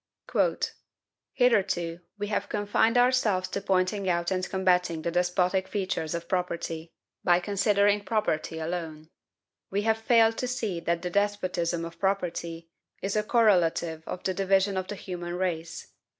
"Hitherto, we have confined ourselves to pointing out and combating the despotic features of property, by considering property alone. We have failed to see that the despotism of property is a correlative of the division of the human race